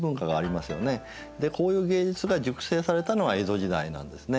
でこういう芸術が熟成されたのは江戸時代なんですね。